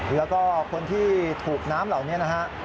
แล้วก็คนที่ถูกน้ำเหล่านี้นะฮะ